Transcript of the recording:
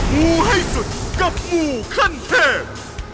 งูให้สุดกับงูขั้นเทพ